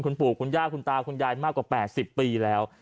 คุณปู่คุณย่าคุณตาคุณยายมากกว่า๘๐ปีแล้ว